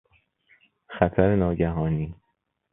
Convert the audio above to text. خطر ناگهانی